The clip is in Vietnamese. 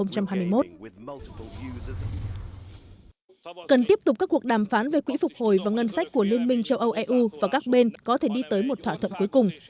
cần tiếp tục các cuộc đàm phán về quỹ phục hồi và ngân sách của liên minh châu âu eu và các bên có thể đi tới một thỏa thuận cuối cùng